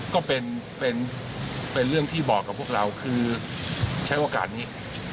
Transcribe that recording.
ก็เป็นเรื่องที่บอกกับพวกเราคือใช้โอกาสนี้